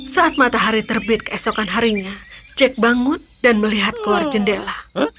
saat matahari terbit keesokan harinya jack bangun dan melihat keluar jendela